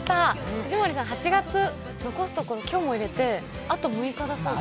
藤森さん、８月残すところ今日を入れてあと６日だそうです。